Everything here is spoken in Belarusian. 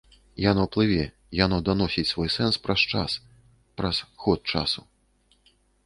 Яно плыве, яно даносіць свой сэнс праз час, праз ход часу.